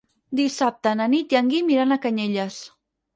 Dissabte na Nit i en Guim iran a Canyelles.